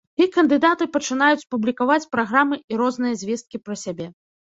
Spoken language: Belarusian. І кандыдаты пачынаюць публікаваць праграмы і розныя звесткі пра сябе.